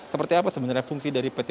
seperti apa sebenarnya fungsi dari pt